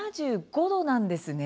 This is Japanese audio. ７５度なんですね。